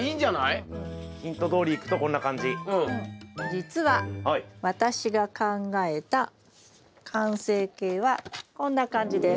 じつは私が考えた完成形はこんな感じです。